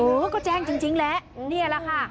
เออก็แจ้งจริงแหละนี่แหละค่ะ